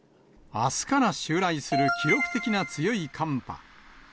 あすから襲来する記録的な強い寒波。